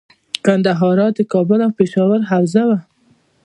ګندهارا د کابل او پیښور حوزه وه